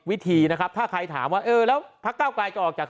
วิธีนะครับถ้าใครถามว่าเออแล้วพักเก้าไกลจะออกจาก